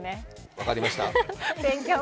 分かりました。